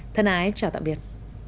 thân ái chào tạm biệt